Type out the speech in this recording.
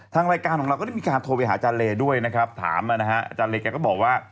ทางรายการของเราก็ได้มีการโทรไปหาอาจารย์เรย์ด้วยถามอาจารย์เรย์แก่ก็บอกว่า